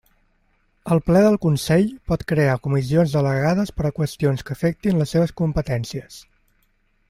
El Ple del Consell pot crear comissions delegades per a qüestions que afectin les seves competències.